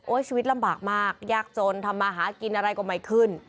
ชีวิตลำบากมากยากจนทำมาหากินอะไรก็ไม่ขึ้น